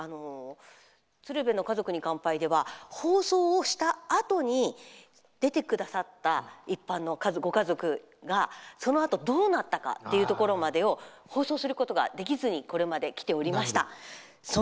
「鶴瓶の家族に乾杯」では放送をしたあとに出てくださった一般のご家族がそのあとどうなったかというところまでを放送することができずにこれまできておりました。